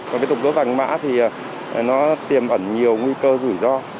còn cái tục đốt vàng mã thì nó tiềm ẩn nhiều nguy cơ rủi ro